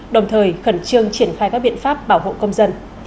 đồng thời khẩn trương triển khai các biện pháp bảo hộ công dân